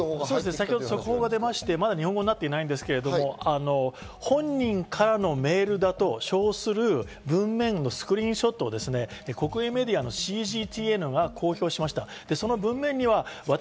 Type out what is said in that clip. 先ほど速報が出て、まだ日本語になっていないんですけど、本人からのメールだと称する文面のスクリーンショットを中国メディアのＣＧＴＮのが発表しました。